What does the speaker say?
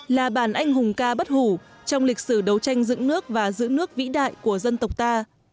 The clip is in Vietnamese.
là bản anh hùng ca bất hủ trong lịch sử đấu tranh dựng nước và giữ nước vĩ đại của dân tộc ta